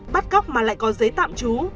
bắt góc mà lại có giấy tạm trú